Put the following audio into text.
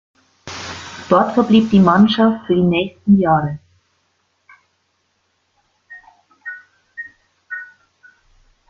Dort verblieb die Mannschaft für die nächsten Jahre.